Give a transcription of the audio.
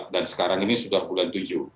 dan sekarang ini sudah bulan tujuh